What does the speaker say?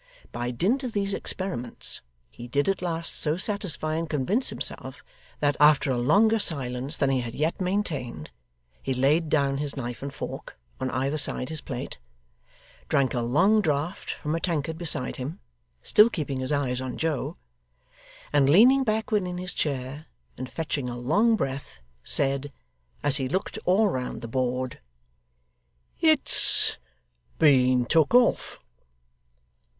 By dint of these experiments, he did at last so satisfy and convince himself, that, after a longer silence than he had yet maintained, he laid down his knife and fork on either side his plate, drank a long draught from a tankard beside him (still keeping his eyes on Joe), and leaning backward in his chair and fetching a long breath, said, as he looked all round the board: 'It's been took off!